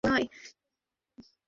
না, আমি সেই লোক নই।